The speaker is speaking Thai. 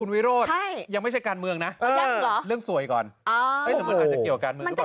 คุณวิโรธยังไม่ใช่การเมืองนะเรื่องสวยก่อนหรือมันอาจจะเกี่ยวกันเหรอเปล่าไม่ได้ใจ